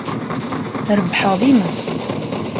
Rebbḥeɣ dima.